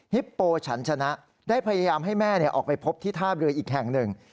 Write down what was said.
โปฉันชนะได้พยายามให้แม่ออกไปพบที่ท่าเรืออีกแห่งหนึ่ง